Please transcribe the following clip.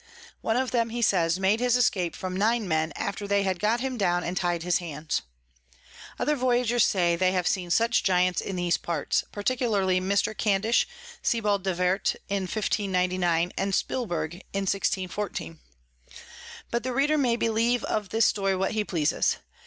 One of them, he says, made his Escape from nine Men, after they had got him down and ty'd his hands. Other Voyagers say they have seen such Giants in those parts, particularly Mr. Candish, Sebald de Wert in 1599. and Spilberg in 1614. but the Reader may believe of this Story what he pleases.